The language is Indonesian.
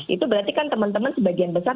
itu berarti kan teman teman sebagian besar